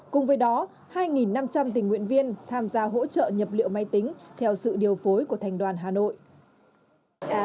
cùng với đó hai năm trăm linh tình nguyện viên tham gia hỗ trợ nhập liệu máy tính theo sự điều phối của thành đoàn hà nội